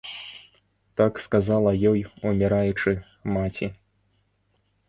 Так сказала ёй, уміраючы, маці.